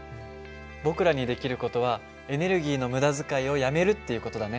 僕らにできる事はエネルギーの無駄遣いをやめるっていう事だね。